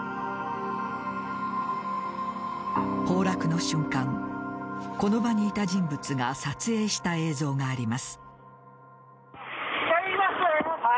崩落の瞬間、この場にいた人物が撮影した映像があります。